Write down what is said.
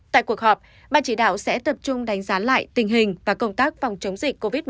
tại cuộc họp ban chỉ đạo sẽ tập trung đánh giá lại tình hình và công tác phòng chống dịch covid một mươi chín